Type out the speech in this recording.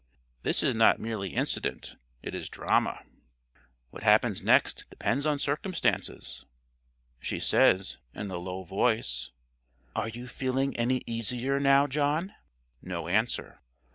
This is not merely incident; it is drama. What happens next depends on circumstances. She says, in a low voice: "Are you feeling any easier now, John?" No answer.